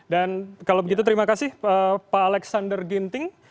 dan kalau begitu terima kasih pak alexander ginting